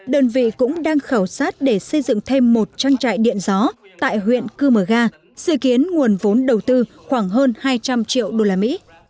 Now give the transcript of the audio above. đơn vị cũng đang khảo sát để xây dựng thêm một trang trại điện gió tại huyện kumaga dự kiến nguồn vốn đầu tư khoảng hơn hai trăm linh triệu usd